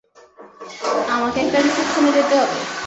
আমাকে একটা রিসেপশনে যেতে হবে।